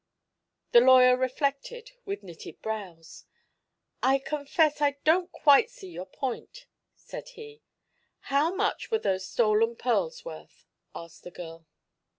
The lawyer reflected, with knitted brows. "I confess I don't quite see your point," said he. "How much were those stolen pearls worth?" asked the girl.